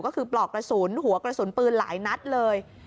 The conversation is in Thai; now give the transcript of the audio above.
ก็คือปลอกกระสุนหัวกระสุนปืนหลายนัดเลย